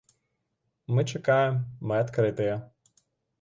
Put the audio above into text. Мы чакаем, мы адкрытыя.